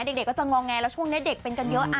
เด็กก็จะงอแงแล้วช่วงนี้เด็กเป็นกันเยอะ